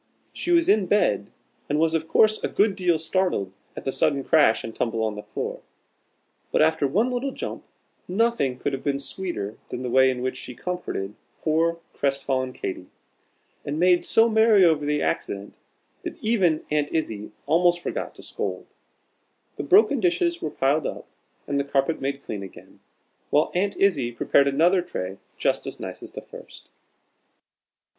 She was in bed, and was of course a good deal startled at the sudden crash and tumble on her floor. But after one little jump, nothing could have been sweeter than the way in which she comforted poor crest fallen Katy, and made so merry over the accident, that even Aunt Izzie almost forgot to scold. The broken dishes were piled up and the carpet made clean again, while Aunt Izzie prepared another tray just as nice as the first.